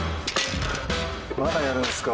まだやるんすか？